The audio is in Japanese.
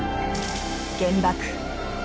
原爆。